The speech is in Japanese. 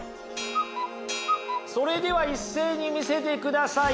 それでは一斉に見せてください。